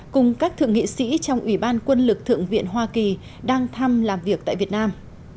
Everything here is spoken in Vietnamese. cùng các thượng nghị sĩ trong ủy ban quân lực thượng viện hoa kỳ đang thăm làm việc tại việt nam